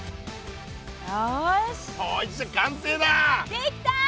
できた！